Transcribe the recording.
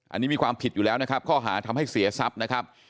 อันนี้มีความผิดอยู่แล้วนะครับข้อหาทำให้เสียทรัพย์นะครับ